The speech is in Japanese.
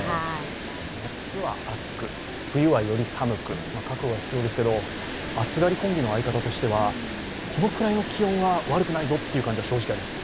夏は暑く、冬はより寒く覚悟が必要ですけど暑がりコンビの相方としては、このくらいの気温は寒くないぞということはありますか？